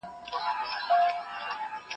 پلار به خپله شمله تاو كړه